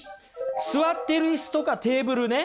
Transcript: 座ってるイスとかテーブルね